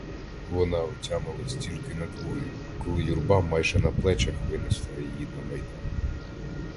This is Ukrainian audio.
Вона отямилась тільки надворі, коли юрба майже на плечах винесла її на майдан.